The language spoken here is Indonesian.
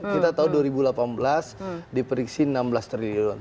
kita tahu dua ribu delapan belas diprediksi enam belas triliun